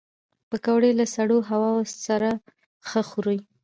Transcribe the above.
پکورې له سړو هواوو سره ښه خوري